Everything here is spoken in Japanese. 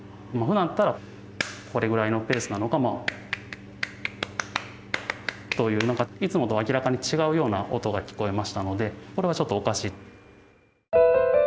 ふだんだったらこれぐらいのペースなのが。といういつもとは明らかに違うような音が聞こえましたのでこれはちょっとおかしい。